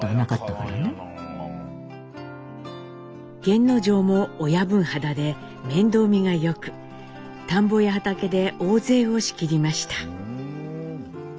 源之丞も親分肌で面倒見がよく田んぼや畑で大勢を仕切りました。